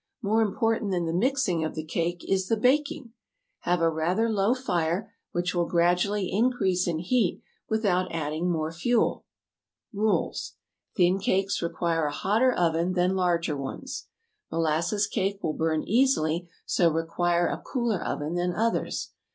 "More important than the mixing of the cake is the baking. "Have a rather low fire, which will grad u al ly increase in heat without adding more fuel. [Illustration: "Now I'll explain."] "Rules: "Thin cakes require a hotter oven than larger ones. "Molasses cakes will burn easily, so require a cooler oven than others.